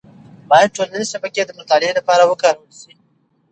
باید ټولنیز شبکې د مطالعې لپاره وکارول شي.